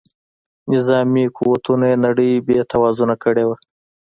نظامي قوتونو یې نړۍ بې توازونه کړې وه.